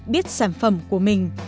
biết sản phẩm của mình